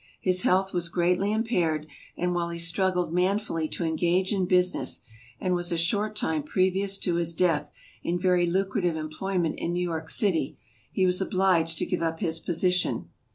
His health was greatly impaired and while he struggled manfully to engage in business and was a short time previous to his death in very lucrative employment in New York City he was SKETCHES OF TRAVEL obliged to give up his position.